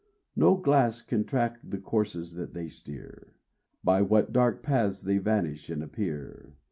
No glass can track the courses that they steer, By what dark paths they vanish and appear.